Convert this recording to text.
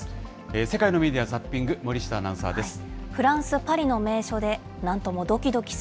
世界のメディア・ザッピング、森下アナウンサーです。